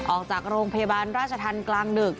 ออกจากโรงพยาบาลราชธรรมกลางดึก